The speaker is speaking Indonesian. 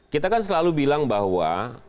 kita kan selalu bilang bahwa